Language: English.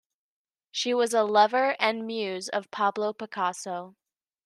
She was a lover and muse of Pablo Picasso.